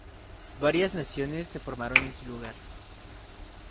Varias naciones se formaron en su lugar.